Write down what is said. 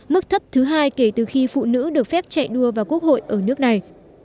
mức thấp thứ hai kể từ khi phụ nữ được phép chạy đua vào quốc hội ở nước này